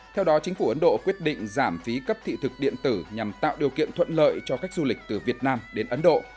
theo đó chính phủ ấn độ quyết định giảm phí cấp thị thực điện tử nhằm tạo điều kiện thuận lợi cho khách du lịch từ việt nam đến ấn độ